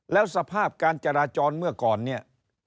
แล้วสภาพการจราจรเมื่อก่อนเนี่ย